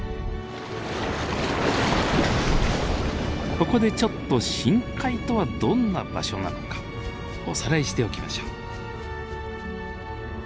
ここでちょっと深海とはどんな場所なのかおさらいしておきましょう。